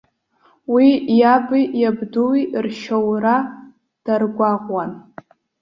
Уи иаби иабдуи ршьаура даргәаҟуан.